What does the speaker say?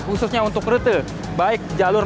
khususnya untuk rute baik jalur